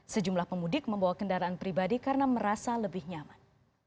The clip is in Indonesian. sejumlah pemudik membawa kendaraan pribadi karena merasa lebih nyaman